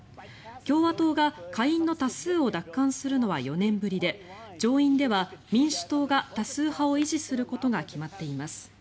共和党が下院の多数を奪還するのは４年ぶりで上院では民主党が多数派を維持することが決まっています。